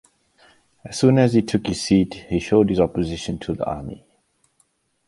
As soon as he took his seat, he showed his opposition to the army.